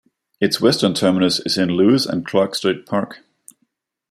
Its western terminus is in Lewis and Clark State Park.